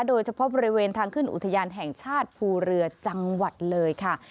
โดยเฉพาะบริเวณทางขึ้นอุทยานแห่งชาติภูเรือจังหวัดเลยค่ะ